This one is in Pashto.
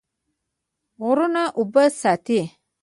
غرونه اوبه ساتي.